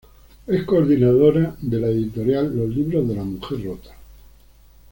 Es coordinadora de la editorial Los libros de La Mujer Rota.